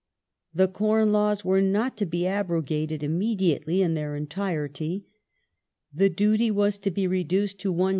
The Corn Laws were not to be abrogated immediately in their entirety. The duty was to be reduced to Is.